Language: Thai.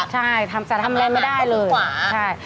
ใช่ทำงานไม่ได้เลย